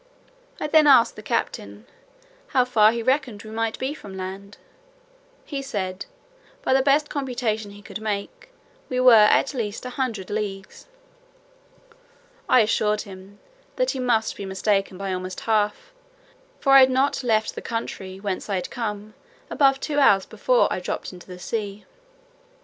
I then asked the captain, "how far he reckoned we might be from land?" He said, "by the best computation he could make, we were at least a hundred leagues." I assured him, "that he must be mistaken by almost half, for I had not left the country whence I came above two hours before I dropped into the sea."